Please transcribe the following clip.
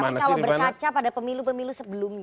kacau pada pemilu pemilu sebelumnya